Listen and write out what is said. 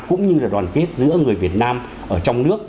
cũng như là đoàn kết giữa người việt nam ở trong nước